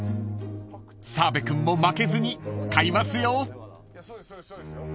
［澤部君も負けずに買いますよ］